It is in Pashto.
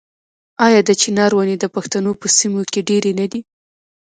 آیا د چنار ونې د پښتنو په سیمو کې ډیرې نه دي؟